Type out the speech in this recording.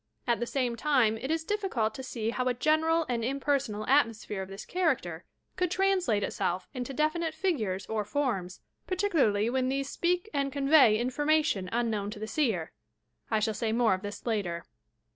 At the same time it is difficult to see how a general and impersonal atmosphere of this character could translate itself into definite figures or forms, partienlarly when these speak and convey information unknown to the seer. I shall say more of this later.